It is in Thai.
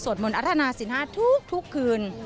สวดมนตร์อัฒนาสินห้าทุกคืน